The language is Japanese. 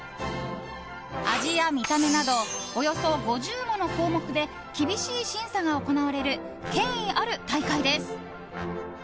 味や見た目などおよそ５０もの項目で厳しい審査が行われる権威ある大会です。